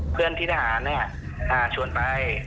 เพื่อนที่สหารเนี่ยอ่ะชวนไป